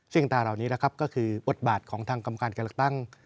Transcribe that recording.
ซึ่งตาเหล่านี้นะครับก็คืออดบาทของทางกำการกรรตั้ง